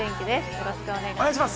よろしくお願いします。